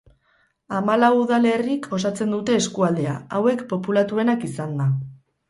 Hamalau udalerrik osatzen dute eskualdea, hauek populatuenak izanda.